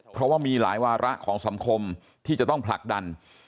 เพราะว่ามีหลายวาระของสังคมที่จะต้องผลักดัน